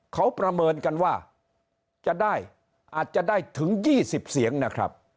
เขาประเมินกันว่าจะได้อาจจะได้ถึง๒๐เสียงนะครับ